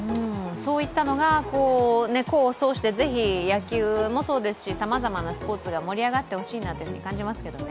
そういったのが功を奏してぜひ野球もそうですし、さまざまなスポーツが盛り上がってほしいと感じますけどね。